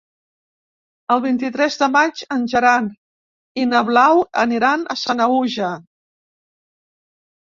El vint-i-tres de maig en Gerard i na Blau aniran a Sanaüja.